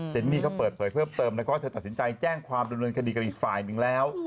นี่ก็เปิดเผยเพิ่มเติมแล้วก็เธอตัดสินใจแจ้งความดำเนินคดีกับอีกฝ่ายหนึ่งแล้ว